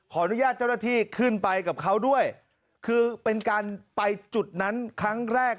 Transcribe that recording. อนุญาตเจ้าหน้าที่ขึ้นไปกับเขาด้วยคือเป็นการไปจุดนั้นครั้งแรก